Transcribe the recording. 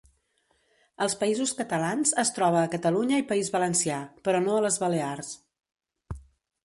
Als Països Catalans es troba a Catalunya i País Valencià, però no a les Balears.